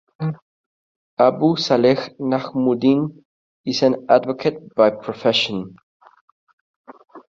Abu Saleh Najmuddin is an advocate by profession.